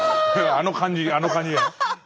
あの感じあの感じ。